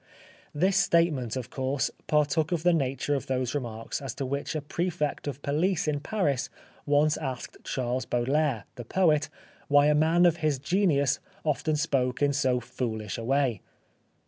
This statement, of course, partook of the nature of those remarks as to which a Prefect of Police in Paris once asked Charles Baudelaire, the poet, why a man of his genius often spoke in so foolish a way.